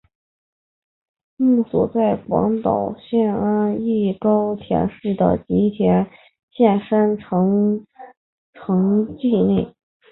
墓所在广岛县安艺高田市的吉田郡山城城迹内。